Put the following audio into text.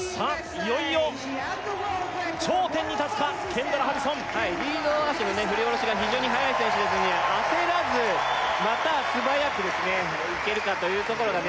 いよいよ頂点に立つかケンドラ・ハリソンリード脚の振り下ろしが非常にはやい選手ですので焦らずまた素早くですねいけるかというところがね